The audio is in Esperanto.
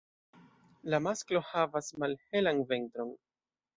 La masklo havas malhelan ventron.